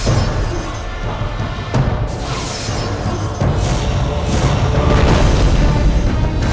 aku tidak terima